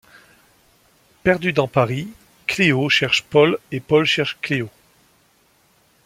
Perdus dans Paris, Cléo cherche Paul et Paul cherche Cléo.